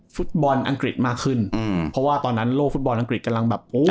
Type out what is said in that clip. ฟุตบอลอังกฤษมากขึ้นอืมเพราะว่าตอนนั้นโลกฟุตบอลอังกฤษกำลังแบบโอ้